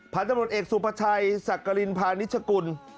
ผ่านตำรวจเอกสุพชัยสักกริณพานิชกุล